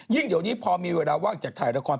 ยิ่งเหลือนี้พอมีเวลาว่างจากถ่ายละคร